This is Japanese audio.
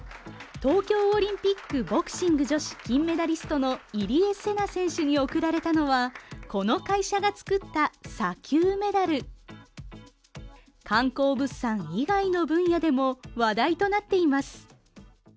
東京オリンピックボクシング女子金メダリストの入江聖奈選手に贈られたのはこの会社が作った砂丘のメダル観光物産以外の分野でも話題となっています